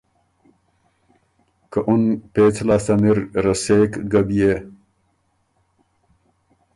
که اُن پېڅ لاسته نِر رسېک ګۀ بيې؟